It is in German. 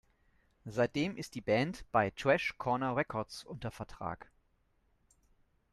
Seitdem ist die Band bei Thrash Corner Records unter Vertrag.